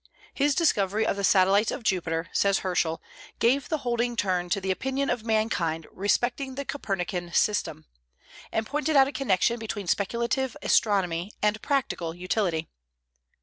"His discovery of the satellites of Jupiter," says Herschel, "gave the holding turn to the opinion of mankind respecting the Copernican system, and pointed out a connection between speculative astronomy and practical utility."